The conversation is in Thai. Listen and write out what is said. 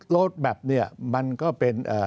รถแบบนี้มันก็เป็น